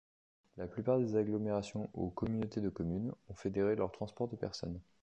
La plupart des agglomérations ou communautés de communes ont fédéré leur transport de personnes.